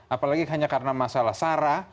apalagi hanya karena masalah sara